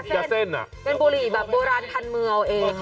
เป็นบุหรี่แบบโบราณพันเมืองเอง